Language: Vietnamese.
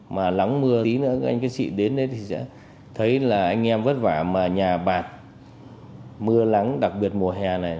mà lắng mưa tí nữa anh các chị đến đấy thì sẽ thấy là anh em vất vả mà nhà bạt mưa lắng đặc biệt mùa hè này